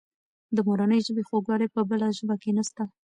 د مورنۍ ژبې خوږوالی په بله ژبه کې نسته.